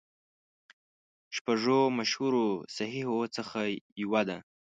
شپږو مشهورو صحیحو څخه یوه ده.